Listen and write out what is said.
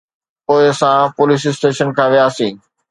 پوءِ اسان police station کان وياسين.